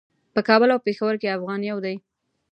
په کابل او پیښور کې افغان یو دی.